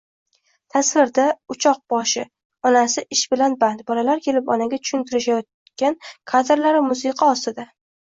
Tasvirda uchok boshi...Onasi ish bilan band. Bolalar kelib onaga tushuntirishayetgan kadrlari musika ostida...